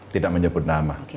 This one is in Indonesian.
tidak menyebut nama